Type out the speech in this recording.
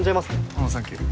おうサンキュー。